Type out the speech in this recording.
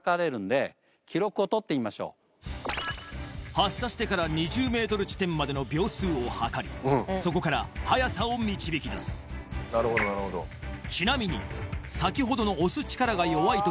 発射してから２０ｍ地点までの秒数を計りそこから速さを導き出すちなみに先ほどのではあっちょうどいい。いい。